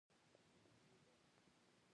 • وخت ته احترام د بریا لاره ده.